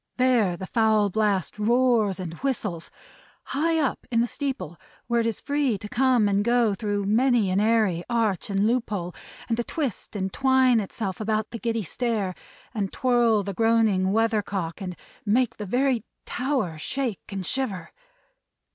There the foul blast roars and whistles! High up in the steeple, where it is free to come and go through many an airy arch and loophole, and to twist and twine itself about the giddy stair, and twirl the groaning weathercock, and make the very tower shake and shiver!